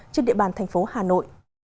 trên địa bàn thành phố hà nội